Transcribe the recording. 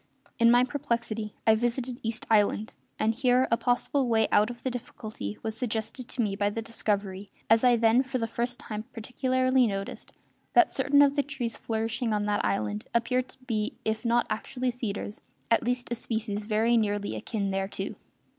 In my perplexity I visited East Island, and here a possible way out of the difficulty was suggested to me by the discovery as I then for the first time particularly noticed that certain of the trees flourishing on that island appeared to be if not actually cedars at least a species very nearly akin thereto.